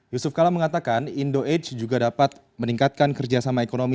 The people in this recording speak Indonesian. yusuf kala mengatakan indo age juga dapat meningkatkan kerjasama ekonomi